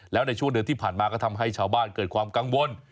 แล้วในช่วงเดือนที่ผ่านมาก็ทำให้ชาวบ้านเกิดความกังวล